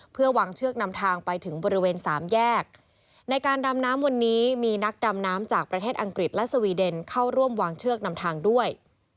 เพื่อวางเชือกนำทางไปถึงบริเวณสามแยกในการดำน้ำวันนี้มีนักดำน้ำจากประเทศอังกฤษและสวีเดนเข้าร่วมวางเชือกนำทางด้วย